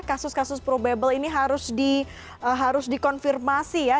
kasus kasus probable ini harus dikonfirmasi ya